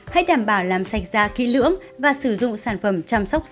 hãy đảm bảo làm sạch da kỹ lưỡng và sử dụng sản phẩm chăm sóc da có tốt